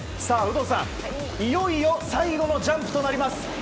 さあ、有働さん、いよいよ最後のジャンプとなります。